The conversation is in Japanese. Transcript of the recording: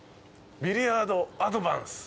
ビリヤードアドバンス。